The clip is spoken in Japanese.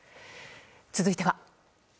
続いては。